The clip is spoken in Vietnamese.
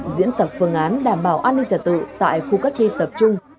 diễn tập phương án đảm bảo an ninh trả tự tại khu cách ly tập trung